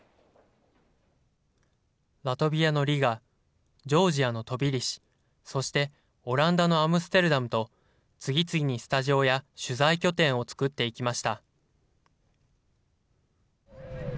ラトビアのリガ、ジョージアのトビリシ、そしてオランダのアムステルダムと、次々にスタジオや取材拠点を作っていきました。